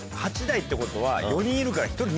８台ってことは４人いるから。